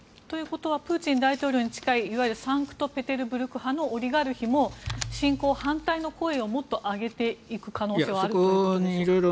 ということはプーチン大統領に近いいわゆるサンクトペテルブルク派オリガルヒも侵攻反対の声をもっと上げていく可能性はあるということですか。